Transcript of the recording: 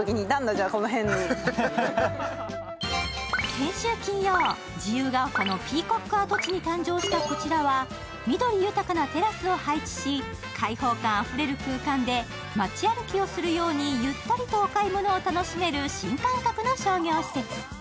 先週金曜、自由が丘のピーコック跡地に誕生したこちらは、緑豊かなテラスを配置し、開放感あふれる空間で街歩きをするようにゆったりとお買い物を楽しめる新感覚の商業施設。